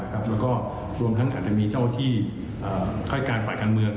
แล้วก็รวมทั้งอาจจะมีเจ้าที่ค่ายการฝ่ายการเมือง